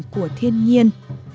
của thiên nhiên